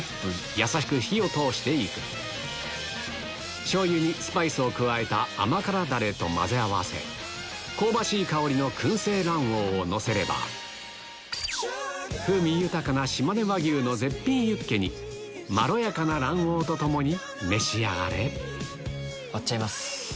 やさしく火を通していく甘辛ダレと混ぜ合わせる香ばしい香りの燻製卵黄をのせれば風味豊かなしまね和牛の絶品ユッケにまろやかな卵黄と共に召し上がれ割っちゃいます。